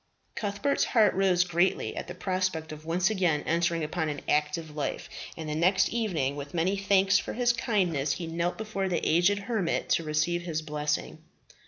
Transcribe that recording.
Cuthbert's heart rose greatly at the prospect of once again entering upon an active life, and the next evening, with many thanks for his kindness, he knelt before the aged hermit to receive his blessing.